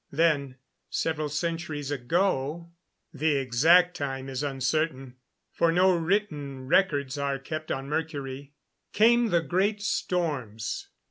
Then, several centuries ago the exact time is uncertain, for no written records are kept on Mercury came the Great Storms.